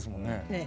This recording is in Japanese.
ええ。